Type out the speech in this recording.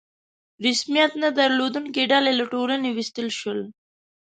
رسمیت نه درلودونکي ډلې له ټولنې ویستل شول.